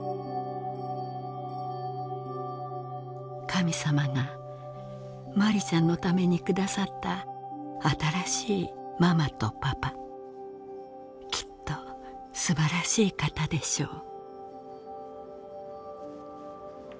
「神様がマリちゃんの為に下さった新しいママとパパきっとすばらしい方でしょう」。